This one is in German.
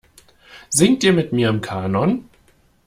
Singt ihr mit mir im Kanon?